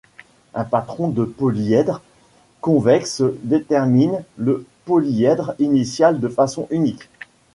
Un patron de polyèdre convexe détermine le polyèdre initial de façon unique.